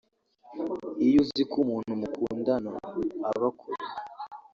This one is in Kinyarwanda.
Iyo uziko umuntu mukundana aba kure